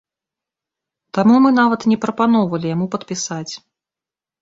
Таму мы нават не прапаноўвалі яму падпісаць.